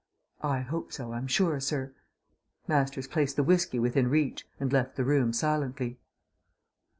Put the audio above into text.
"I hope so, I'm sure, sir." Masters placed the whisky within reach and left the room silently.